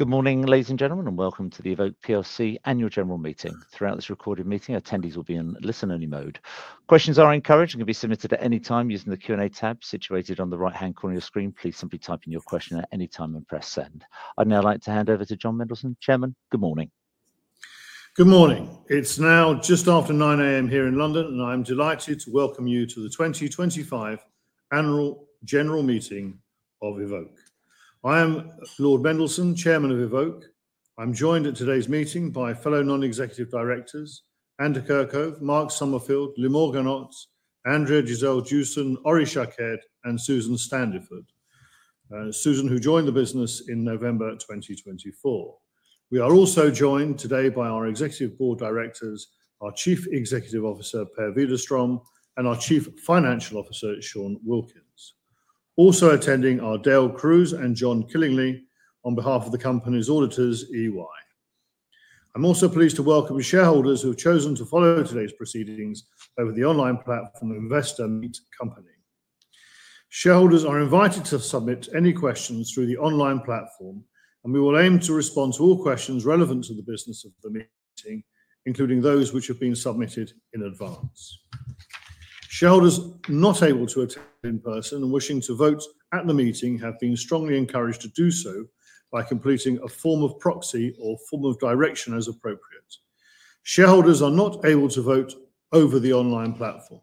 Good morning, ladies and gentlemen, and welcome to the Evoke PLC Annual General Meeting. Throughout this recorded meeting, attendees will be in listen-only mode. Questions are encouraged and can be submitted at any time using the Q&A tab situated on the right-hand corner of your screen. Please simply type in your question at any time and press send. I'd now like to hand over to Jon Mendelsohn, Chairman. Good morning. Good morning. It's now just after 9:00 A.M. here in London, and I'm delighted to welcome you to the 2025 Annual General Meeting of Evoke. I am Lord Mendelsohn, Chairman of Evoke. I'm joined at today's meeting by fellow non-executive directors: Andy Kirkhope, Mark Somerfield, Limor Ganot, Andrea Gisele-Jewson, Ori Shaked, and Susan Stanley-Ford, Susan, who joined the business in November 2024. We are also joined today by our Executive Board Directors, our Chief Executive Officer Per Widerström, and our Chief Financial Officer Sean Wilkins. Also attending are Dale Cruise and Jon Killingley on behalf of the company's auditors, EY. I'm also pleased to welcome shareholders who have chosen to follow today's proceedings over the online platform Investor Meet Company. Shareholders are invited to submit any questions through the online platform, and we will aim to respond to all questions relevant to the business of the meeting, including those which have been submitted in advance. Shareholders not able to attend in person and wishing to vote at the meeting have been strongly encouraged to do so by completing a form of proxy or form of direction as appropriate. Shareholders are not able to vote over the online platform.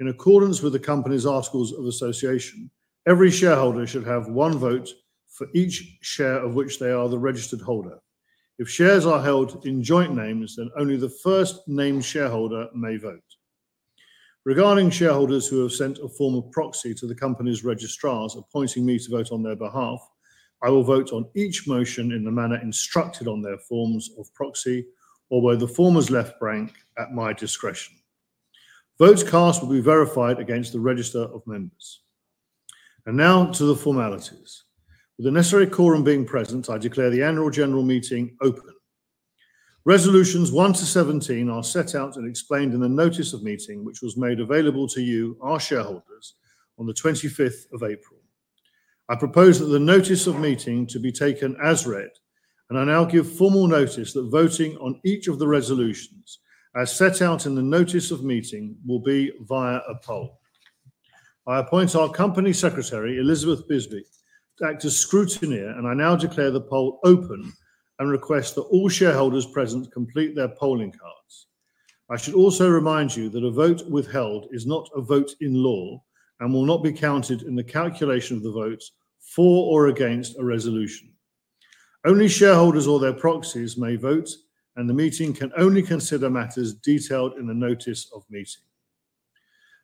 In accordance with the company's Articles of Association, every shareholder should have one vote for each share of which they are the registered holder. If shares are held in joint names, then only the first named shareholder may vote. Regarding shareholders who have sent a form of proxy to the company's registrars appointing me to vote on their behalf, I will vote on each motion in the manner instructed on their forms of proxy or where the form is left blank at my discretion. Votes cast will be verified against the register of members. Now to the formalities. With the necessary quorum being present, I declare the Annual General Meeting open. Resolutions 1 to 17 are set out and explained in the Notice of Meeting, which was made available to you, our shareholders, on the 25th of April. I propose that the Notice of Meeting be taken as read, and I now give formal notice that voting on each of the resolutions as set out in the Notice of Meeting will be via a poll. I appoint our Company Secretary, Elizabeth Bisby, to act as scrutineer, and I now declare the poll open and request that all shareholders present complete their polling cards. I should also remind you that a vote withheld is not a vote in law and will not be counted in the calculation of the votes for or against a resolution. Only shareholders or their proxies may vote, and the meeting can only consider matters detailed in the Notice of Meeting.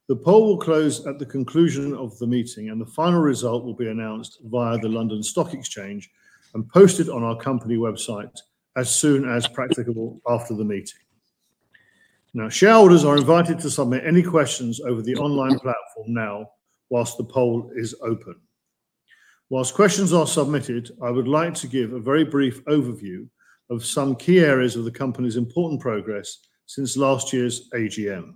The poll will close at the conclusion of the meeting, and the final result will be announced via the London Stock Exchange and posted on our company website as soon as practicable after the meeting. Now, shareholders are invited to submit any questions over the online platform now whilst the poll is open. Whilst questions are submitted, I would like to give a very brief overview of some key areas of the company's important progress since last year's AGM.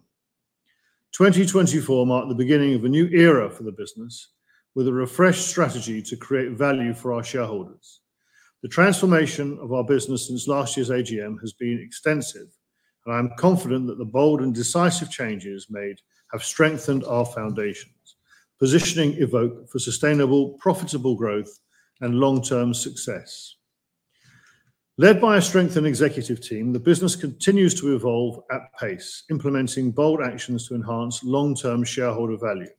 2024 marked the beginning of a new era for the business with a refreshed strategy to create value for our shareholders. The transformation of our business since last year's AGM has been extensive, and I'm confident that the bold and decisive changes made have strengthened our foundations, positioning Evoke for sustainable, profitable growth and long-term success. Led by a strengthened executive team, the business continues to evolve at pace, implementing bold actions to enhance long-term shareholder value.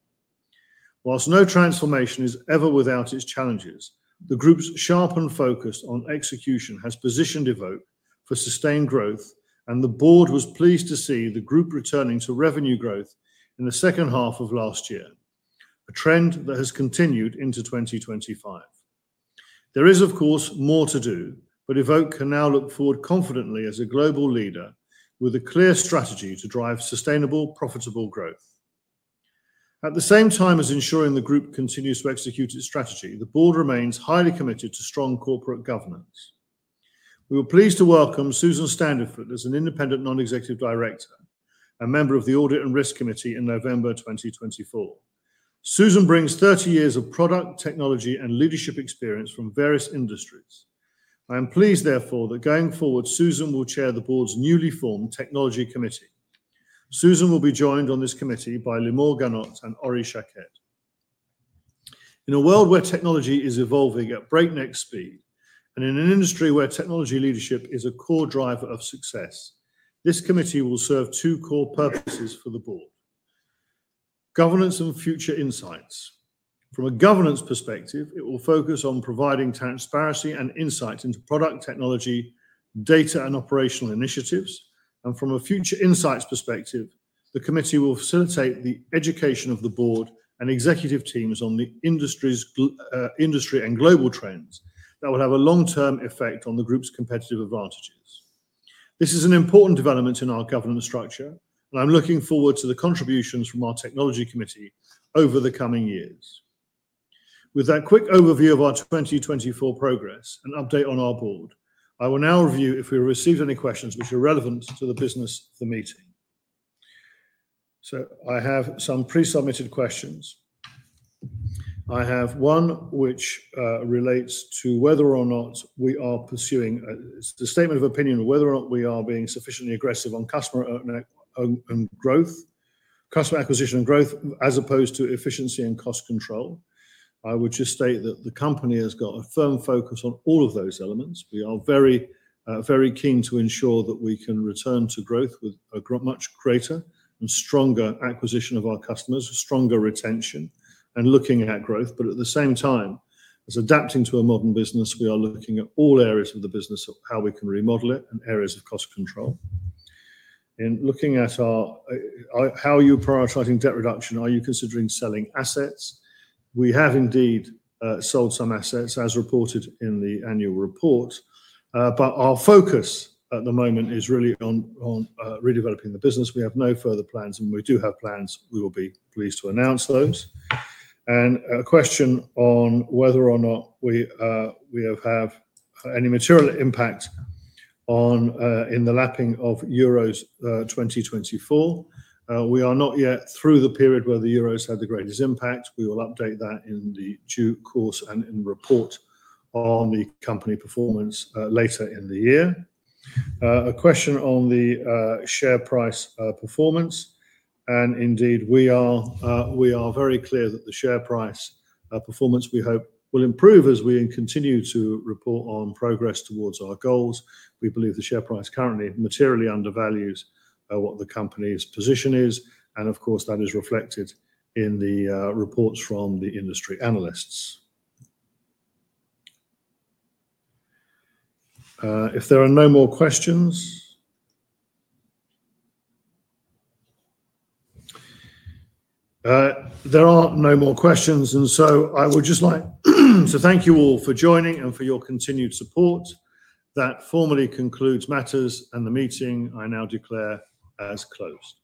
Whilst no transformation is ever without its challenges, the group's sharp and focused on execution has positioned Evoke for sustained growth, and the board was pleased to see the group returning to revenue growth in the second half of last year, a trend that has continued into 2025. There is, of course, more to do, but Evoke can now look forward confidently as a global leader with a clear strategy to drive sustainable, profitable growth. At the same time as ensuring the group continues to execute its strategy, the board remains highly committed to strong corporate governance. We are pleased to welcome Susan Stanley-Ford as an independent non-executive director, a member of the Audit and Risk Committee in November 2024. Susan brings 30 years of product, technology, and leadership experience from various industries. I am pleased, therefore, that going forward, Susan will chair the board's newly formed Technology Committee. Susan will be joined on this committee by Limor Ganot and Ori Shaked. In a world where technology is evolving at breakneck speed and in an industry where technology leadership is a core driver of success, this committee will serve two core purposes for the board: governance and future insights. From a governance perspective, it will focus on providing transparency and insight into product, technology, data, and operational initiatives. From a future insights perspective, the committee will facilitate the education of the board and executive teams on the industry's industry and global trends that will have a long-term effect on the group's competitive advantages. This is an important development in our governance structure, and I'm looking forward to the contributions from our Technology Committee over the coming years. With that quick overview of our 2024 progress and update on our board, I will now review if we have received any questions which are relevant to the business of the meeting. I have some pre-submitted questions. I have one which relates to whether or not we are pursuing the statement of opinion of whether or not we are being sufficiently aggressive on customer growth, customer acquisition growth, as opposed to efficiency and cost control. I would just state that the company has got a firm focus on all of those elements. We are very, very keen to ensure that we can return to growth with a much greater and stronger acquisition of our customers, stronger retention, and looking at growth. At the same time, as adapting to a modern business, we are looking at all areas of the business, how we can remodel it, and areas of cost control. In looking at how are you prioritizing debt reduction? Are you considering selling assets? We have indeed sold some assets, as reported in the annual report, but our focus at the moment is really on redeveloping the business. We have no further plans, and we do have plans. We will be pleased to announce those. A question on whether or not we have any material impact in the lapping of Euros 2024. We are not yet through the period where the Euros had the greatest impact. We will update that in due course and report on the company performance later in the year. A question on the share price performance. We are very clear that the share price performance we hope will improve as we continue to report on progress towards our goals. We believe the share price currently materially undervalues what the company's position is. That is reflected in the reports from the industry analysts. If there are no more questions. There are no more questions. I would just like to thank you all for joining and for your continued support. That formally concludes matters, and the meeting I now declare as closed.